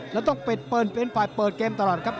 แล้วต้องเปิดเปิ้ลเฟรตไฟล์เปิดเกมตลอดครับ